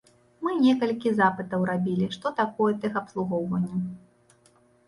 Мы некалькі запытаў рабілі, што такое тэхабслугоўванне.